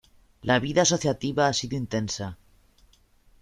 La vida asociativa ha sido intensa.